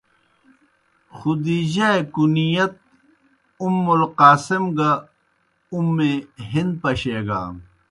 خدیجہؓ اےْ کُنیت ”اُمُّ القاسم“ گہ “اُمّ ہند“ پشیگان۔